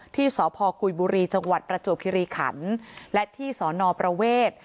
ที่สพกุยบุรีจังหวัดประจวบคิริขันและที่สอนอประเวท